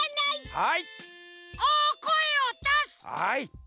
はい！